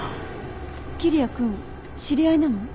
桐矢君知り合いなの？